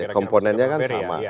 komponennya kan sama